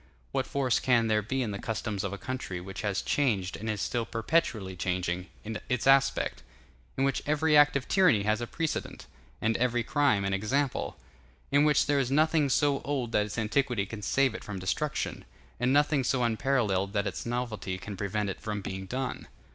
What force can there be in the customs of a country which has changed and is still perpetually changing its aspect; in which every act of tyranny has a precedent, and every crime an example; in which there is nothing so old that its antiquity can save it from destruction, and nothing so unparalleled that its novelty can prevent it from being done?